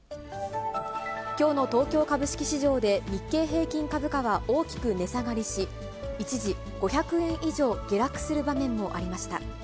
きょうの東京株式市場で、日経平均株価は大きく値下がりし、一時、５００円以上下落する場面もありました。